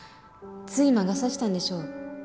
つい魔が差したんでしょう。